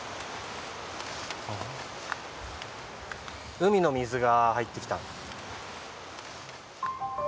海の水が入ってきたと。